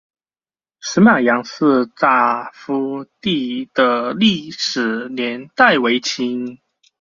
石码杨氏大夫第的历史年代为清。